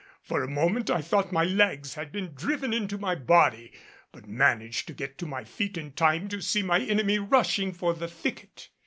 For a moment I thought my legs had been driven into my body, but managed to get to my feet in time to see my enemy rushing for the thicket.